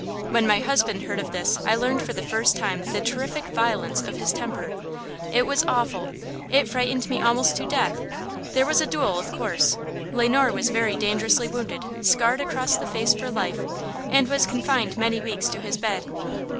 When my husband heard of this I learned for the first time the terrific violence of his temper. It was awful! it frightened me almost to death. There was a duel, of course. Le Noir was very dangerously wounded, scarred across the face for life, and was confined many weeks to his bed.